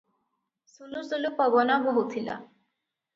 ସୁଲୁ ସୁଲୁ ପବନ ବୋହୁଥିଲା ।